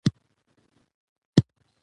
زمرد د افغانستان د زرغونتیا نښه ده.